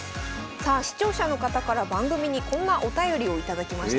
さあ視聴者の方から番組にこんなお便りを頂きました。